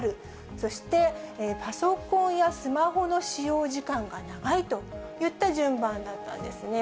そしてパソコンやスマホの使用時間が長いといった順番だったんですね。